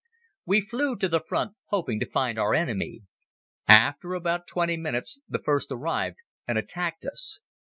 We flew to the front hoping to find our enemy. After about twenty minutes the first arrived and attacked us.